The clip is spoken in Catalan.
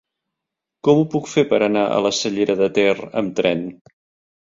Com ho puc fer per anar a la Cellera de Ter amb tren?